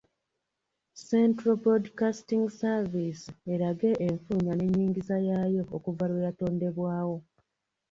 Central Broadcasting Service erage enfulumya n’ennyingiza yaayo okuva lwe yatondebwawo.